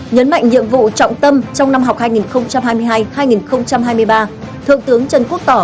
nhấn mạnh nhiệm vụ trọng tâm trong năm học hai nghìn hai mươi hai hai nghìn hai mươi ba thượng tướng trần quốc tỏ